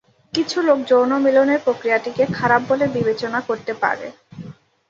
কিছু লোক যৌন মিলনের প্রক্রিয়াটিকে খারাপ বলে বিবেচনা করতে পারে।